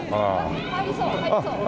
入りそう入りそう。